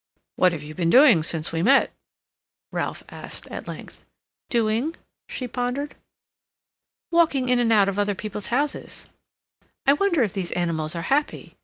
"What have you been doing since we met?" Ralph asked at length. "Doing?" she pondered. "Walking in and out of other people's houses. I wonder if these animals are happy?"